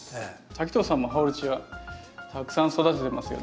滝藤さんもハオルチアたくさん育ててますよね？